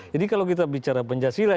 jadi kalau kita bicara pancasila